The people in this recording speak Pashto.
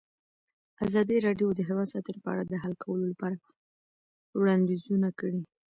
ازادي راډیو د حیوان ساتنه په اړه د حل کولو لپاره وړاندیزونه کړي.